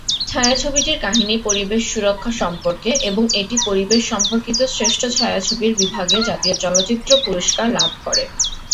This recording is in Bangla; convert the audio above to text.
ছায়াছবিটির কাহিনী পরিবেশ সুরক্ষা সম্পর্কে এবং এটি পরিবেশ সম্পর্কিত শ্রেষ্ঠ ছায়াছবির বিভাগে জাতীয় চলচ্চিত্র পুরস্কার লাভ করে।